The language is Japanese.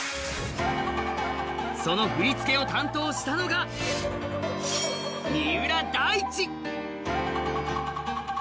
その振り付けを担当したのが、三浦大知。